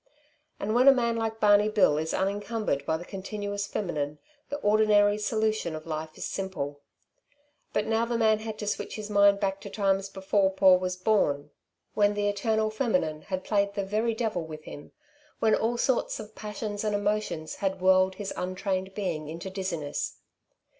And when a man like Barney Bill is unencumbered by the continuous feminine, the ordinary solution of life is simple. But now the man had to switch his mind back to times before Paul was born, when the eternal feminine had played the very devil with him, when all sorts of passions and emotions had whirled his untrained being into dizziness.